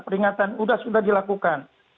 peringatan sudah sudah dilakukan